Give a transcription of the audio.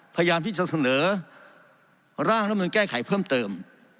พยายามที่จะเสนอร่างรัฐมนุนแก้ไขเพิ่มเติม